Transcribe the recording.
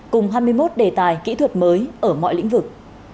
cùng hai mươi một đề tài kỹ thuật mới ở mọi lĩnh vực